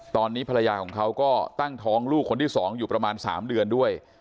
ตอนนี้ภรรยาของเขาก็ตั้งท้องลูกคนที่๒อยู่ประมาณ๓เดือนด้วย